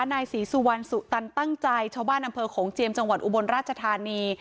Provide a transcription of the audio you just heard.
นายศรีสุวรรณสุตันตั้งใจชาวบ้านอำเภอโขงเจียมจังหวัดอุบลราชธานี